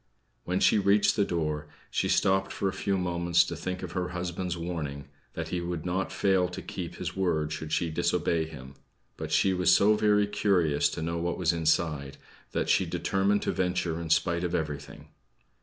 When she reached the door she stopped for a few moments to think of her husband's warning, that he would not fail to keep his word should she disobey him. But she was so very curious to know what was inside, that she determined to venture in spite of everything.